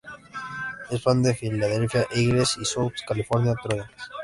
Es fan de Philadelphia Eagles y Southern California Trojans.